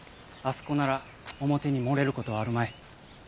あそこなら表に漏れることはあるまい。